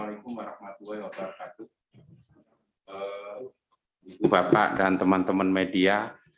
ibu bapak dan teman teman media